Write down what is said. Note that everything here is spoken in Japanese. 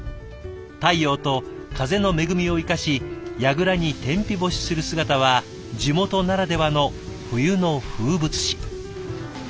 太陽と風の恵みを生かしやぐらに天日干しする姿は地元ならではの冬の風物詩。